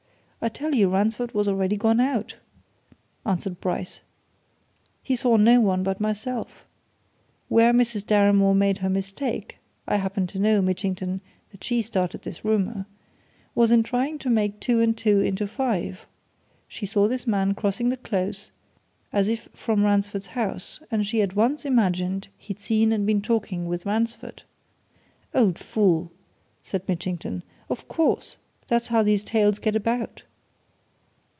"I tell you Ransford was already gone out," answered Bryce. "He saw no one but myself. Where Mrs. Deramore made her mistake I happen to know, Mitchington, that she started this rumour was in trying to make two and two into five. She saw this man crossing the Close, as if from Ransford's house and she at once imagined he'd seen and been talking with Ransford." "Old fool!" said Mitchington. "Of course, that's how these tales get about.